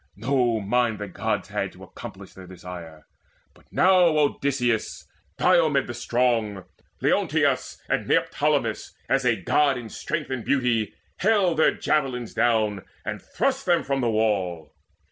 No mind The Gods had to accomplish their desire! But now Odysseus, Diomede the strong, Leonteus, and Neoptolemus, as a God In strength and beauty, hailed their javelins down, And thrust them from the wall.